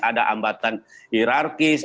ada hambatan hirarkis